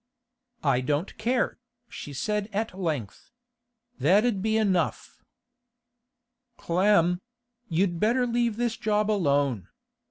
'I don't care,' she said at length. 'That 'ud be enough.' 'Clem—you'd better leave this job alone.